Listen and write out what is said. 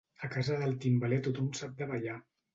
A casa del timbaler tothom sap de ballar.